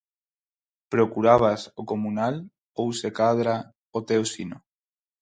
Procurabas o comunal ou se cadra o teu sino?